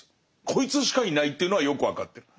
こいつしかいないっていうのはよく分かってる。